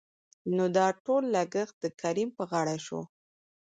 نو دا ټول لګښت دکريم په غاړه شو.